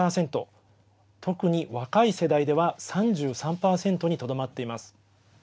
特に、若い世代では３３％にとどまっています。